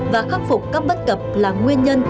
và khắc phục các bất cập là nguyên nhân